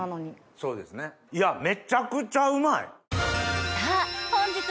いやめちゃくちゃうまい！